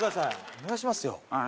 お願いしますよああ